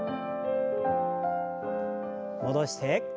戻して。